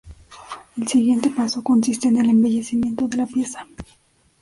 El siguiente paso consiste en el embellecimiento de la pieza.